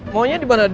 maunya di mana